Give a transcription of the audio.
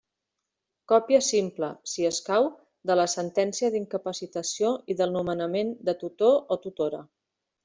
Còpia simple, si escau, de la sentència d'incapacitació i del nomenament de tutor o tutora.